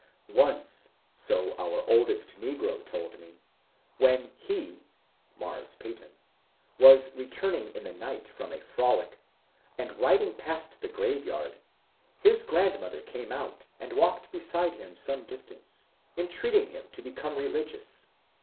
Once, so our oldest negro told me, when he ("Mars Peyton") was returning in the night from a frolic, and riding past the graveyard, his grandmother came out and walked beside him some distance, entreating him to become religious.